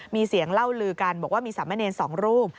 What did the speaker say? มีเสียงเล่าลือกันบอกว่ามีสามเณรสองรูป